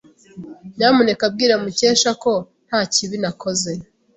Nyamuneka bwira Mukesha ko nta kibi nakoze.